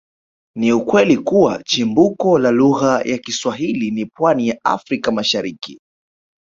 Ni ukweli kuwa chimbuko la lugha ya Kiswahili ni pwani ya Afrika Mashariki